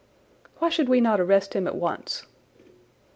"Why should we not arrest him at once?"